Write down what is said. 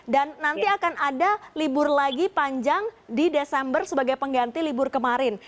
dan nanti akan ada libur lagi panjang di desember sebagai pengganti libur kemarin